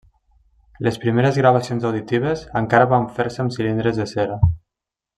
Les primeres gravacions auditives encara van fer-se amb cilindres de cera.